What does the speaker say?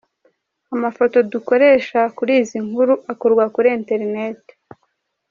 Amafoto dukoresha kuri izi nkuru akurwa kuri internet.